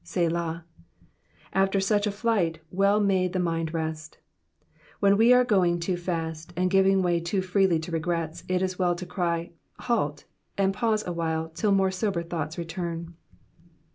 ^^Selah,'*'* After such a flight well may the mind rest. When we are going too fast, and giving way too freely to regrets, it is well to cry, halt,'* and pause awhile, till more sober thoughts return.